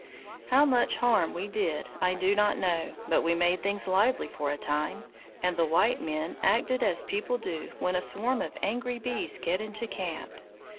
"How much harm we did I do not know, but we made things lively for a time; and the white men acted as people do when a swarm of angry bees get into camp.